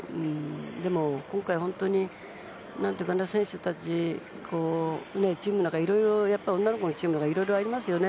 でも、今回、本当に選手たち、チームの中で女の子のチームなのでいろいろありますよね。